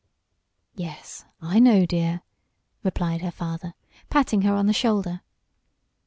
"Yes, I know, dear," replied her father, patting her on the shoulder.